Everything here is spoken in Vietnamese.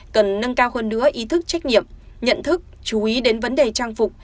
cần nâng cao hơn nữa ý thức trách nhiệm nhận thức chú ý đến vấn đề trang phục